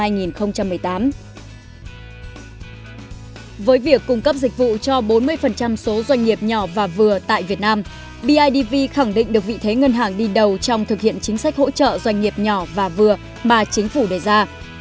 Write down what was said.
với việc cung cấp dịch vụ cho bốn mươi số doanh nghiệp nhỏ và vừa tại việt nam bidv khẳng định được vị thế ngân hàng đi đầu trong thực hiện chính sách hỗ trợ doanh nghiệp nhỏ và vừa mà chính phủ đề ra